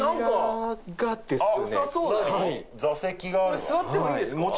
こちら座ってもいいですか？